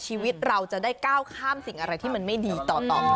ชีวิตเราจะได้ก้าวข้ามสิ่งอะไรที่มันไม่ดีต่อมา